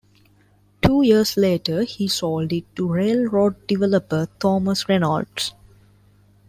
Two years later he sold it to railroad developer Thomas Reynolds.